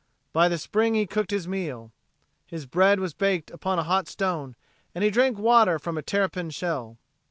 By the spring he cooked his meal. His bread was baked upon a hot stone and he drank water from a terrapin shell.